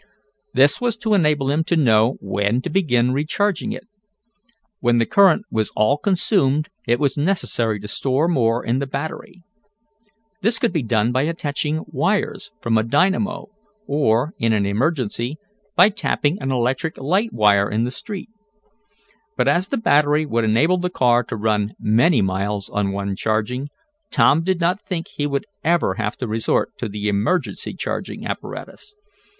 This was to enable him to know when to begin recharging it. When the current was all consumed it was necessary to store more in the battery. This could be done by attaching wires from a dynamo, or, in an emergency by tapping an electric light wire in the street. But as the battery would enable the car to run many miles on one charging, Tom did not think he would ever have to resort to the emergency charging apparatus.